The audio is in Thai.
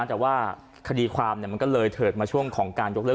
แต่ว่าคดีความมันก็เลยเถิดมาช่วงของการยกเลิ